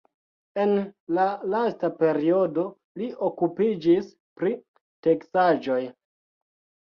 En la lasta periodo li okupiĝis pri teksaĵoj.